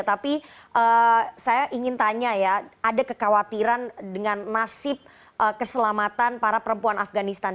tapi saya ingin tanya ya ada kekhawatiran dengan nasib keselamatan para perempuan afganistan